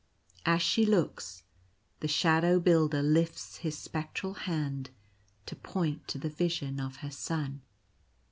As she looks, the Shadow Builder lifts his spectral hand to point to the vision of her Son.